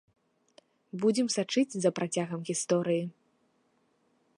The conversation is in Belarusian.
Будзем сачыць за працягам гісторыі.